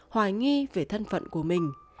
hoài nghi về thân phận của mình